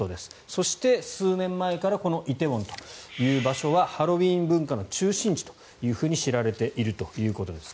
そして、数年前からこの梨泰院という場所はハロウィーン文化の中心地として知られているということです。